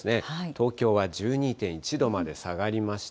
東京は１２．１度まで下がりました。